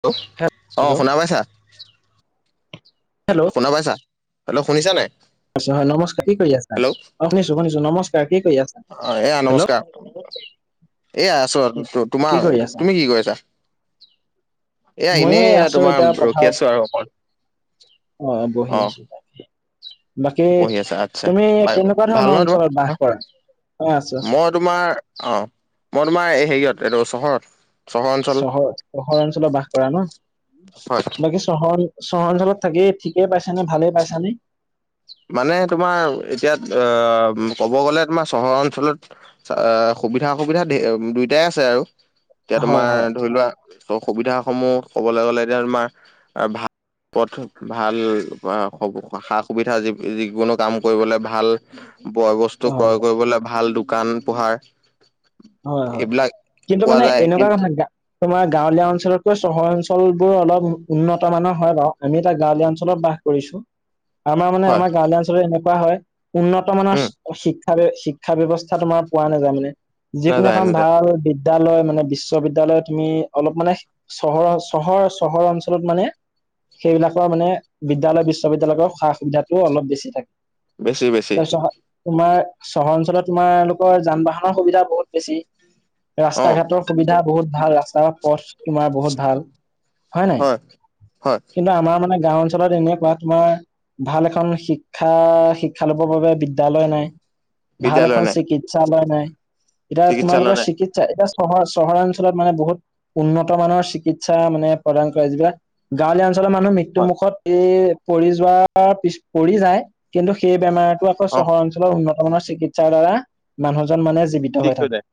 [unintelligible] Hello. অ' শুনা পাইছা। হেল্ল' শুনা পাইছা, হেল্ল' শুনিছানে নাই। হয় নমস্কাৰ কি কৰি আছা? হেল্ল' অ' শুনিছোঁ শুনিছোঁ নমস অ' এয়া নমস্কাৰ। এ আছোঁ আৰু ত- কি কৰি তোমাৰ আছা? তুমি কি কৰিছা? এয়া ময়ো এনেই এই এ আছো এতিয়া তোমাৰ ৰখি পথাৰত আছোঁ আৰু অকণ। অ' বহি আছোঁ তাকে। বাকী পঢ়ি আছা আচ্ছা। তুমি বাই- কেনেকুৱা ভাল ধৰণৰ নহয় অঞ্চলত বাস তোমাৰ? কৰা? অ' আছো আছো। মই তোমাৰ অ, মই তোমাৰ হেৰিয়ত, এইটো চহৰত। চহৰ অঞ্চল চহৰ, চহৰ অঞ্চলত বাস কৰা ন। হয়। বাকী চহৰ চহৰ অঞ্চলত থাকেই ঠিকে পাইছ, নে ভালে পাইছানে? মানে তোমাৰ এতিয়া আহ ক'ব গ'লে তোমাৰ চহৰ অঞ্চলত সুবিধা অসুবিধা দুইটাই আছে আৰু এতিয়া হয় তোমাৰ হয় ধৰি লোৱা ত সুবিধাস সমূহ ক'বলৈ গ'লে এতিয়া তোমাৰ ভাল পথ ভাল সা-সুবিধা যি যিকোনো কাম কৰিবলে ভাল, বয়-বস্তু হয় ক্ৰয় কৰিবলে ভাল, দু দোকান-পোহাৰ হয় হয় কিন্তু মানে এনেকুৱা কিন্তু কথা গা- তোমাৰ গাঁৱলীয়া অঞ্চল বিশেষকৈ চহৰ অঞ্চলোৰ অলপ উন্নত মানৰ হয় বাৰু, আমি এটা গাঁৱলীয়া অঞ্চলত বাস কৰিছো। আমাৰ মানে হয় আমাৰ গাঁৱলীয়া অঞ্চলত এনেকুৱা হয়, উন্নত মানৰ উম শিক্ষা [unintelligible] শিক্ষা ব্যয়ৱস্থা তোমাৰ পোৱা নাযায় মানে, যিকোনো নাযায় এখন নাযায় ভাল বিদ্যালয় মানে বিশ্ববিদ্যালয় তুমি অলপ মানে চহৰ-চহৰ-চহৰ অঞ্চলত মানে সেইবিলাকৰ মানে বিদ্যালয়-বিশ্ববিদ্যালয়ৰ সা-সুবিধাতটো অলপ বেছি থাকে। বেছি-বেছি। তাৰপিছত তোমাৰ চহৰ অঞ্চলত তোমাৰালোকৰ যান-বাহনৰ সুবিধা বহুত বেছি। অ ৰাস্তা-ঘাটৰ সুবিধা বহুত ভাল, ৰাস্তাৰ পথ তোমাৰ বহুত ভাল। হয় নাই? হয় কিন্তু আমাৰ মানে গাঁও অঞ্চলত এনেকুৱা তোমাৰ ভাল এখন শিক্ষা-শিক্ষা লবৰ বাবে বিদ্যালয় নাই। ভাল বিদ্যালয় এখন নাই চিকিৎসালয় নাই, এতি চিকিৎসালয় তোমালোকৰ নাই চিকিৎসা এতি চহৰ-চহৰ অঞ্চলত মানে বহুত উন্নত মানৰ চিকিৎসা মানে প্ৰদান কৰে, যিবিলাক গাঁৱলীয়া অল আচলতে মানুহ মৃত্যু হয় মুুখত এই পৰি যোৱাৰ পিছ পৰি যায় কিন্তু সেই বেমাৰতো আকৌ অ চহৰ অঞ্চলৰ উন্নত মানৰ চিকিৎসাৰ দ্বাৰা মানুহজন মানে জীৱিত ঠিক হৈ থাকে। যায়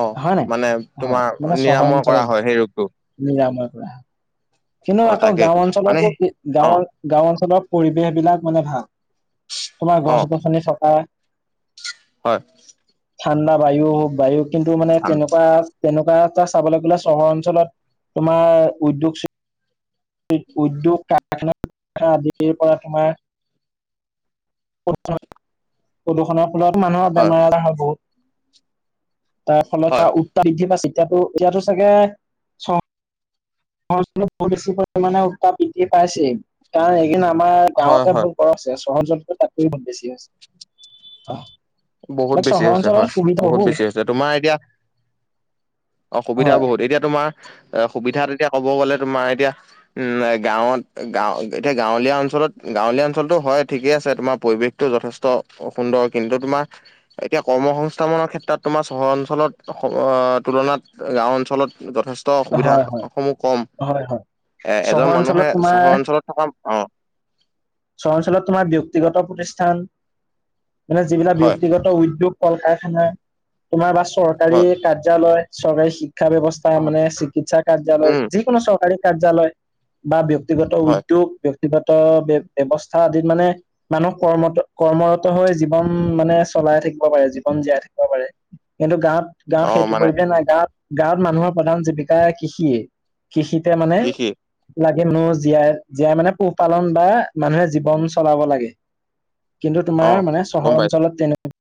অ হয় নে নাই? মানে হয় তোমাৰ মানে চহৰ নিৰাময় কৰা অঞ্চলত হয় সেই ৰোগটো নিৰাময় কিন্তু অ আকৌ তাকে গাওঁ মানে অঞ্চলতো অ গাওঁ-গাওঁ অঞ্চলত পৰিৱেশ বিলাক মানে ভাল, তোমাৰ অ গছ গছনি থকা হয়। ঠাণ্ডা বায়ু-বায়ু কিন্তু মানে তেনেকুৱা তেনেকুৱা চাবলৈ গ'লে চহৰ অঞ্চলত তোমাৰ উদ্যোগ উদ্যোগ, কাৰখানা- আদিৰ পৰা তোমাৰ [unintelligible] প্ৰদূষণৰ ফলত মানুহৰ বেমাৰ-আজাৰ হয় বহুত। তাৰ হয় ফলত [unintelligible] এয়াতো চাগে [unintelligible] আমাৰ গাঁৱতে হয় [unintelligible] হয় বহুত বেছি হৈছে। বহুত বাকী বেছি চহৰ হৈছে অঞ্চলৰ হয়, সুবিধা বহুত বেছি হৈছে। তোমাৰ এতিয়া অ হয় সুবিধা বহুত, এতিয়া তোমাৰ সুবিধাত এতিয়া ক'ব গ'লে তোমাৰ এতিয়া উম গাঁৱত এতিয়া গাঁৱলীয়া অঞ্চল গাঁৱলীয়া অঞ্চলতটো হয় ঠিকে আছে, তোমাৰ পৰিৱেশটো যথেষ্ট সুন্দৰ, কিন্তু তোমাৰ এতিয়া কৰ্ম সংস্থাপনৰ ক্ষেত্ৰত তোমাৰ চহৰ অঞ্চলত তুলনাত গাঁও অঞ্চলত যথেষ্ট হয়, অসুবিধাস হয়, সমূহ কম। হয়, হয়। এ চহৰ এজন অঞ্চলত মানুহে চহৰ অঞ্চলত থকা অ। চৰহৰ অঞ্চলত তোমাৰ বয়ক্তিগত প্ৰতিষ্ঠান মানে যিবিলাক হয় ব্যয়ক্তিগত উদ্যোগ, কল-কাৰখানা তোমাৰ বা চৰকাৰী হয় কাৰ্য্যালয় চৰকাৰী শিক্ষা ব্যৱস্থা অ মানে চিকিৎসা কাৰ্যালয় উম যিকোনো চৰকাৰী কাৰ্য্যালয় বা ব্যয়ক্তিগত হয় উদ্যোগ, ব্যক্তিগত ব্যৱস্থা আদিত মানে, মানুহ ক-কৰ্মৰত হৈ জীৱন মানে চলাই থাকিব পাৰে, জীৱন জীয়াই থাকিব পাৰে। কিন্তু গাঁৱত গাঁৱত অ সেইটো মানে পৰিৱেশ নাই গাঁৱত গাঁৱত মানুহৰ প্ৰধান জীৱিকা কৃষিয়ে, কৃষিতে মানে কৃষি লাগ [unintelligible] জীয়াই, জীয়াই মানে পোহপালন বা মানুহে জীৱন চলাব লাগে। কিন্তু অ তোমাৰ মানে চহৰ গম পাইছো অঞ্চলত তেনেকুৱা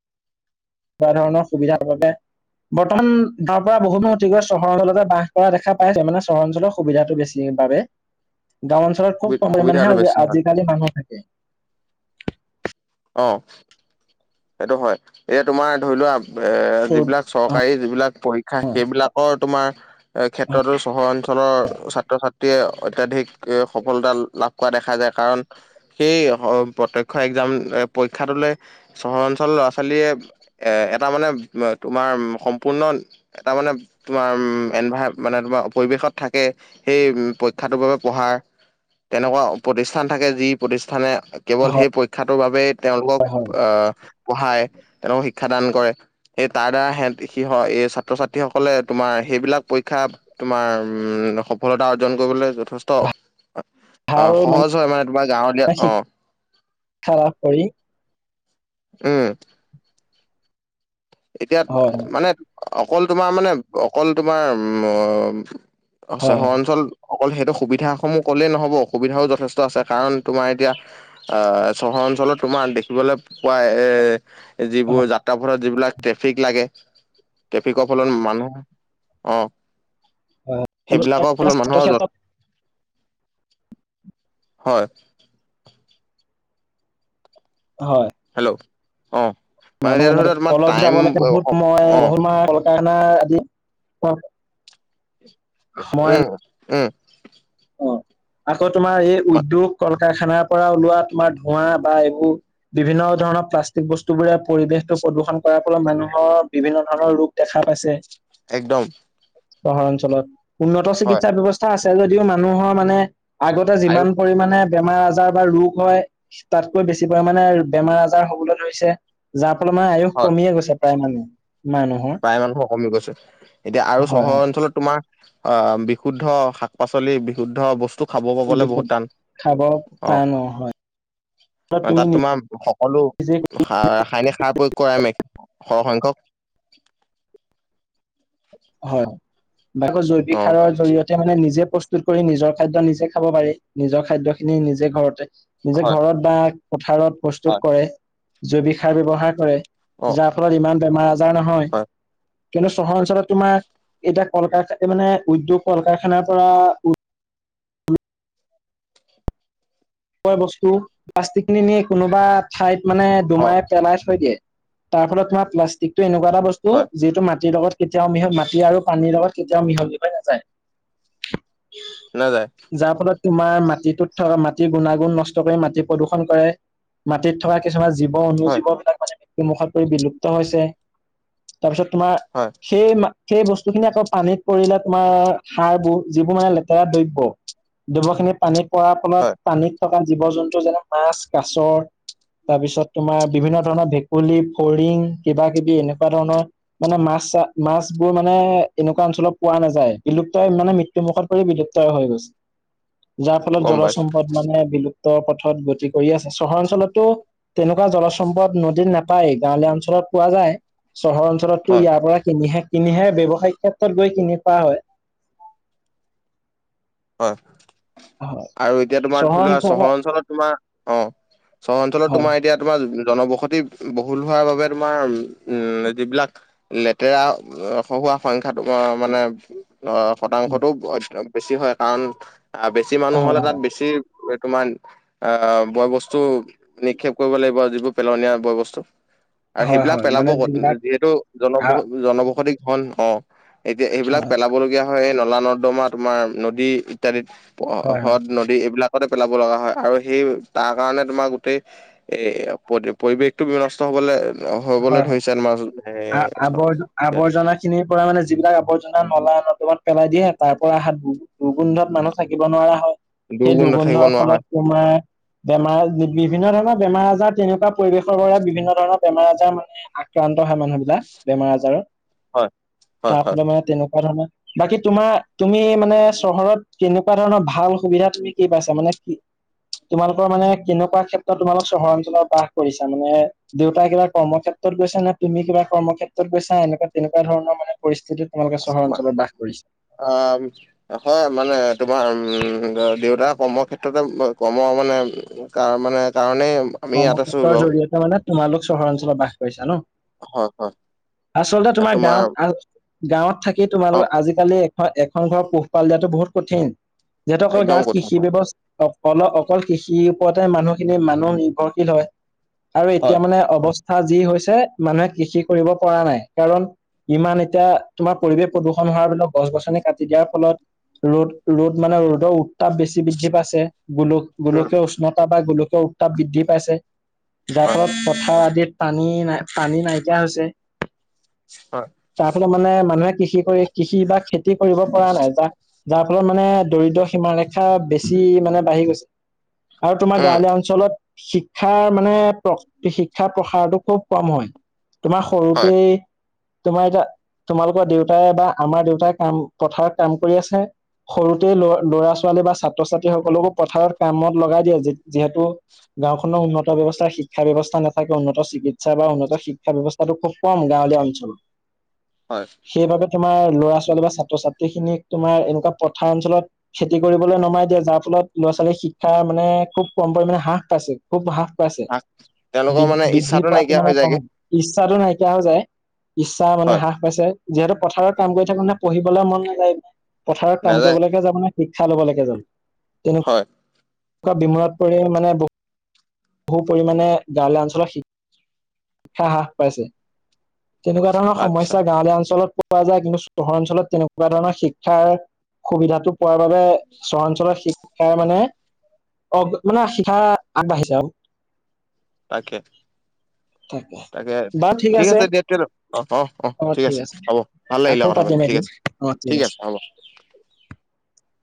[unintelligible] ধৰণৰ সুবিধা মানে বৰ্তমান ধৰ পৰা বহুতিন অতি গৈ চহৰ অঞ্চলতে বাহ কৰা দেখা পাইছে মানে চহৰ অঞ্চলৰ সুবিধাটো বেছি। গাঁও অঞ্চলত সুবি খুব কম সুবিধাটো বেছি পৰিমণেহে হয় আজিকালি মানুহ থাকে। অ, সেইটো হয় এতিয়া তোমাৰ ধৰি লোৱা এ, যিবিলাক চৰকাৰী যিবিলাক পৰীক্ষা সেইবিলাকৰ তোমাৰ এ, ক্ষেত্ৰতো চহৰ অঞ্চল ৰ ছাত্ৰ ছাত্ৰী ত্ৰীয়ে অত্যাধিক এ, সফলতা লাভ কৰা দেখা যায়, কাৰণ সেই প্ৰত্যক্ষ এক [unintelligible] পৰীক্ষাটোলৈ চহৰ অঞ্চলৰ ল'ৰা ছোৱালীয়ে এটা মানে তোমাৰ সম্পূৰ্ণ এটা মানে তোমাৰ এণভাৰ মানে তোমাৰ পৰিৱেশত থাকে সেই পৰীক্ষাটোৰ বাবে পঢ়াৰ তেনেকুৱা প্ৰতিষ্ঠান থাকে যি প্ৰতিষ্ঠানে কেৱল সেই হয় পৰীক্ষাটোৰ বাবোবেই তেওঁলোকক হয় আহ, পঢ়াই তেওঁলোক শিক্ষা শিক্ষ দান কৰে, সেই তাৰ দ্বাৰা সে সি এই ছাত্ৰ ছাত্ৰীসকলে তোমাৰ সেইবিলাক পৰীক্ষা তোমাৰ উমজসফলতা অৰ্জন কৰিবলৈ যথেষ্ট অ, সহজ হয় মানে তোমাৰ গাঁৱলীয়া অ, শিক্ষা লাভ কৰি উম, এতিয়া হয় মানে অকল তোমাৰ মানে অকল তোমাৰ ম, হয় চহৰ অঞ্চল অকল সেইটো সুবিধাস সমূহ ক'লেই নহব অসুবিধাও যথেষ্ট আছে কাৰণ তোমাৰ এতিয়া আহ, চহৰৰ অঞ্চলত তোমাৰ দেখিবলৈ পোৱা এ, যিবোৰ হয়। যাত্ৰাাপথত যিবিলাক ট্ৰেফিক লাগে, ট্ৰেফিকৰ ফলত মানুহ অ, সেইবিলাকৰ ফলত ছাত্ৰ মানুহৰ যথে, ক্ষেত্ৰত হয়, হয়, হেল্ল' অ, মানে এতিয়া ধৰি লওক তোমাৰ টাইম অ [unintelligible] [unintelligible] মই উম, উম, ত' তোমাৰ এই উদ্যোগ কল কাৰখানাৰ পৰা ওলোৱা তোমাৰ ধোঁৱা বা এইবোৰ বিভিন্ন ধৰণৰ প্লাষ্টিক বস্তু বোৰে পৰিৱেশটো প্ৰদূষণ কৰাৰ ফলত মানুহৰ বিভিন্ন ধৰণৰ ৰোগ দেখা পাইছে। একদম। চহৰ অঞ্চলত উন্নত হয় চিকিৎসা ব্য্ৱস্থা আছে যদিও মানুহৰ মানে আগতে আয়ুস যিমান পৰিমাণে বেমাৰ আজাৰ বা ৰোগ হয় তাতকৈ বেছি পৰিমাণে বেমাৰ আজাৰ হবলৈ ধৰিছে যাৰ যাৰ ফলত মানে আয়ুস হয় কমিয়ে গৈছে প্ৰায় মান-মানুহৰ। প্ৰায় মানুহৰ কমি গৈছে। এতিয়া আৰু চহৰ অঞ্চলত তোমাৰ অ, বিশুদ্ধ শাক পাচলি বিশুদ্ধ বস্তু খাব হয় পাবলে বহুত বিষয় টান, খাব অ, টান হয় অ, তুমি তাত তোমাৰ সকলো নিজে ৰাসায়নিক সাৰ প্ৰয়োগ কৰায়ে মে সৰহ সংখ্যক। হয, বা আকৌ জৈৱিক অ সাৰৰ জৰিয়তে মানে নিজে প্ৰস্তু প্ৰস্তুত কৰি নিজৰ খাদ্য নিজে খাব পাৰি নিজৰ খাদ্য খিনি নিজে ঘৰতে। নিজে হয় ঘৰত বা পথাৰত প্ৰস্তুত হয় কৰে জৈৱিক সাৰ ব্যৱহাৰ কৰে। অ যাৰ ফলত ইমান বেমাৰ আজাৰ নহয় হয় কিন্তু চহৰ অঞ্চলত তোমাৰ এতিয়া কল কাৰা মানে উদ্যোগ কল কাৰখানাৰ পৰা [unintelligible] বস্তু প্লাষ্টিক খিনি নি কোনোবা ঠাইত মানে অ দুুমাই পেলাই থৈ দিয়ে, তাৰ ফলত তোমাৰ প্লাষ্টিকটো এনেকুৱা এটা বস্তু হয় যিটো মাটিৰ লগত কেতিয়াও মিহল মাটি আৰু পানীৰ লগত কেতিয়াও মিহলি হৈ নাযায়। যাৰ [unintelligible] ফলত তোমাৰ মাটিটোত থকা মাটিৰ গুণাগুণ নষ্ট কৰি মাটি প্ৰদূষন কৰ, মাটিত থকা কিছুমান জীৱ অনু হয় জীৱবিলাক মানে মৃত্যুমুখত পৰি বিলুপ্ত হৈছে। তাৰপিছত তোমাৰ হয় সেই মা সেই বস্তু যিখিনি আকৌ পানীত পৰিলে তোমাৰ সাৰবোৰ যিবোৰ মানে লেতেৰা দ্ৰব্য। [unintelligible] খিনি পানীত পৰাৰ ফলত হয় পানীত থকা জীৱ জন্তু যেনে মাছ, কাছৰ তাৰপিছত তোমাৰ বিভিন্ন ধৰণৰ ভেকুলী ফৰিং কিবা কিবি এনেকুৱা ধৰণৰ মানে মা [unintelligible] মাছবোৰ মানে এনেকুৱা অঞ্চলত পোৱা নাযায় বিলুপ্তই মানে মৃত্যুখত পৰি বিলুপ্ত হৈ গৈ যাৰ ফলত গম পাইছো জলসম্পদ মানে বিলুপ [unintelligible] পথত গতি কৰি আছে চহৰ অঞ্চলতো তেনেকুৱা জলচম্পদ নদীত নাপায়েই গাঁৱলীয়া অঞ্চলত পোৱা যায়, চহৰ অঞ্চলততো হয় ইয়াৰ পৰা কিনিহে কিনিহে ব্যৱসায়িক ক্ষেত্ৰত গৈ কিনি পোৱা হয়। হয়, হয় আৰু এতিয়া তোমাৰ ধৰি লোৱা চহৰ অঞ্চলত তোমাৰ অ'। চহৰ অঞ্চলত হয় তোমাৰ এতিয়া তোমাৰ জনবসতি বহুল হোৱাৰ বাবে তোমাৰ উম' যিবিলাক লেতেৰা পোৱা সংখ্যা তোমাৰ মানে অ' শতাংশতো ব-ব-বেছি হয় কাৰণ বেছি মানুহ হ'লে হয় তাত বেছি তোমাৰ অ' বয় বস্তু নিক্ষেপ কৰিব লাগিব যিবোৰ পেলনীয়া বয় বস্তু। আৰু হয় হয় সেইবিলাক হয় পেলাব মানে ক'ত যিবিলাক যিহেতু জন হয় জনবসতি ঘন অ'। এতিয়া সেইবিলাক হয় পেলাব লগীয়া হয় নলা নৰ্দমা তোমাৰ নদী ইত্যাদিত। হয় হয় হ-হ্ৰদ, নদী এইবিলাক [unintelligible] পেলাব লগা হয় আৰু সেই তাৰ কাৰণে তোমাৰ গোটেই এ পৰিৱেশতটো বিনষ্ট হ'বলৈ হ'বলৈ হয় ধৰিছে মাজ আ আৱৰ আৱৰ্জনা খিনিৰ পৰা মানে যিবিলাক আৱৰ্জনা নলা নৰ্দমাত পেলাই দিয়ে তাৰ পৰা অহা দু দুৰ্গন্ধত মানুহ থাকিব নোৱাৰা হয়, সেই দুৰ্গুণ নাথাকিব দুৰ্গন্ধৰ নোৱাৰা হয় ফলত তোমাৰ বেমাৰ বি- বিভিন্ন ধৰণৰ বেমাৰ আজাৰ তেনেকুৱা পৰিৱেশৰ পৰা বিভিন্ন ধৰণৰ বেমাৰ আজা [inaudible] মানে আক্ৰান্ত হয় মানুহবিলাক বেমাৰ আজাৰত, হয় হয় তাৰ হয় ফালে মানে তেনেকুৱা ধৰণৰ বাকী তোমাৰ তুমি মানে চহৰত কেনেকুৱা ধৰণৰ ভাল সুবিধা তুমি কি পাইছা মানে কি তোমালোকৰ মানে কেনেকুৱা ক্ষেত্ৰত তোমালোক চহৰ অঞ্চলত বাস কৰিছা মানে দেউতাই কিবা কৰ্মক্ষেত্ৰত গৈছা নে তুমি কিবা কৰ্মক্ষেত্ৰত গৈছা এনেকুৱা তেনেকুৱা ধৰণৰ মানে পৰিস্থিতি অ' হয় মানে তোমাৰ উম, দেউতা কৰ্ম ক্ষেত্ৰতে কৰ্ম মানে মানে কাৰণেই আমি ইয়াত আছো কৰ্মশেত্ৰৰ বাৰু জৰিয়তে মানে তোমালোক চহৰ অঞ্চলত বাস কৰিছা ন'। হয় হয় আচলতে তোমাৰ গাঁৱত আ- গাঁৱত থাকি অ তোমালোক আজিকালি হয় এখন ঘৰৰ পোহপাল দিয়াতো বহুত কঠিন। যিহেতু অকল একদম গাঁৱত কঠিন কৃষি হয় ব্যৱস্থা অল অকল কৃষিৰ ওপৰতে মানুহখিনি মানুহ [unintelligible] হয়, আৰু এতিয়া হয়। মানে অৱ [unintelligible] যি হৈছে মানুহে কৃষি কৰিব পৰা নাই কাৰণ ইমান এতিয়া তোমাৰ পৰিৱেশ প্ৰদূষণ [unintelligible] গছ -গছনি কাটি দিয়াৰ ফলত ৰ'দ ৰ'দ মানে ৰ'দৰ উত্তাপ বেছি বৃদ্ধি পাইছে। গোল উম গোলকীয় উষ্ণতা বা গোলকীয় উত্তাপ বৃদ্ধি পাইছে যাৰ হয় ফলত পথাৰ আদিত পানী নাই পানী নাইকিয়া হৈছে, হয় তাৰ ফালত মানে মানুহে কৃষি কৰি কৃষি বা খেতি কৰিব পৰা নেযায়, যাৰ ফলত মানে দৰিদ্ৰ সীমা ৰেখা বেছি মানে বাঢ়ি গৈছে, আৰু তোমাৰ উম গাঁৱলীয়া অঞ্চলত শিক্ষাৰ মানে শিক্ষাৰ প্ৰসাৰটো খুব কম হয়। তোমাৰ হয় সৰুতেই তোমাৰ এতিয়া, তোমালোকৰ দেউতাই বা আমাৰ দেউতাই কাম পথাৰত কাম কৰি আছে। সৰুতে ল ল'ৰা ছোৱালী বা ছাত্ৰ ছাত্ৰীসকলকো পথাৰত কামত লগাই দিয়ে যি-যিহেতু গাঁওখনৰ উন্নত ব্যৱস্থা শিক্ষা ব্যৱস্থা নাথাকে উন্নত চিকিৎসা বা উন্নত শিক্ষা ব্যৱস্থাটো খুব কম গাঁও অঞ্চল, হয় সেইবাবে তোমাৰ ল'ৰা ছোৱালী বা ছাত্ৰ ছাত্ৰীখিনিক তোমাৰ এনেকুৱা পথাৰ অঞ্চলত খেতি কৰিবলৈ নমাই দিয়ে যাৰ ফলত ল ল'ৰা ছোৱালী শিক্ষাৰ মানে খুব পৰিমাণে হ্ৰাস পাইছে খুব হ্ৰাস পাইছে আহ তেওঁলোকৰ মানে বৃদ্ধি ইচ্ছাটো পোৱাতো নাইকিয়া মানে হৈ কম যায়গে ইচ্ছাটো নাইকিয়া হৈ যায়। ইচ্ছা মানে হয় হ্ৰাস পাইছে যিহেতু পথাৰত কাম কৰি থাকো নে পঢ়িবলৈ মন নাযায়, পথাৰত কাম নাযায় কৰিবলৈকে যাবনে শিক্ষা ল'ব লাগেজন হয়। কুৱা বিমুত পৰিলে মানে বহু পৰিমাণে গাঁৱলীয়া অঞ্চলত শ-শিক্ষা হ্ৰাস পাইছে। তেনেকুৱা ধৰণৰ আচ্ছা সমস্যা গাঁৱলীয়া অঞ্চলত পোৱা যায় কিন্তু চহৰ অঞ্চলত তেনেকুৱা ধৰণৰ শিক্ষাৰ সুবিধাটো পোৱাৰ বাবে চৰাঞ্চলৰ শিক্ষাই মানে অ' মানে শিক্ষা আগবাঢ়িছে আৰু। তাকে। তাকে ঠিক আছে দিয়া তে, অ', অ', অ' ঠিক আছে, হ'ব ভাল লাগিলে আকৌ কথা পাতি। পাতিম ঠিক এদিন আছে, অ ঠিক আছে হ'ব। [inaudible]